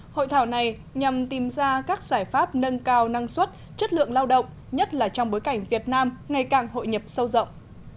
hội thảo này nhằm tìm ra các giải pháp nâng cao năng suất chất lượng lao động nhất là trong bối cảnh việt nam ngày càng hội nhập sâu rộng